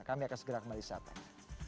kami akan segera kemarin saat itu